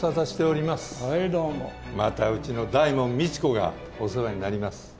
またうちの大門未知子がお世話になります。